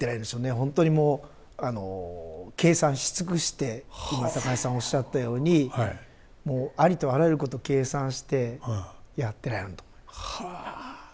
本当にもう計算し尽くして今高橋さんおっしゃったようにもうありとあらゆること計算してやってられるんだと思います。